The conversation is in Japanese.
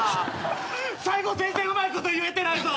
最後全然うまいこと言えてないぞ。